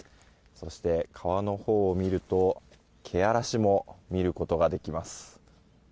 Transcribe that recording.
そして、川のほうを見るとけあらしも見ることができます。